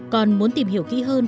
còn muốn tìm hiểu kỹ hơn